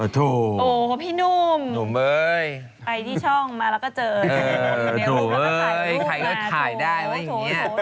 โถไหนจะถ่ายได้วะอย่างงี้